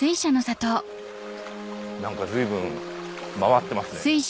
何か随分回ってますね。